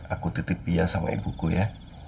aku titip dia sama ibuku ya